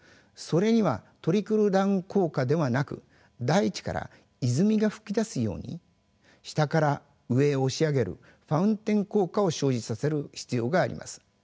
それにはトリクルダウン効果ではなく大地から泉が噴き出すように下から上へ押し上げるファウンテン効果を生じさせる必要があります。